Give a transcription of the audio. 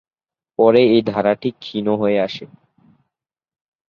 পরে এই ধারাটি ক্ষীণ হয়ে আসে।